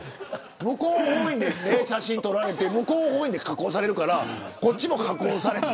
向こう本位で写真撮られて向こう本位で加工されるからこっちも加工されて。